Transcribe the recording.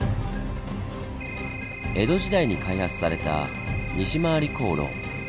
江戸時代に開発された西廻り航路。